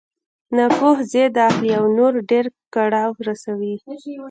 ناپوه ضد اخلي او نور ډېر کړاو رسوي.